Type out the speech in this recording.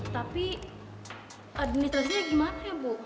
tapi adonit tersebutnya gimana ya bu